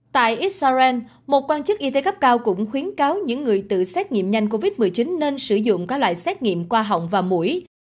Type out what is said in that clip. tại israel một quan chức y tế cấp cao cũng khuyến cáo những người tự xét nghiệm nhanh covid một mươi chín nên sử dụng các loại xét nghiệm qua họng và mũi